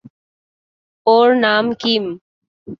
ওর নাম কিম।